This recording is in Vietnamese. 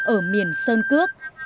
ở miền sơn cước